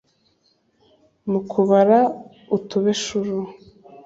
mu kubara utubeshuro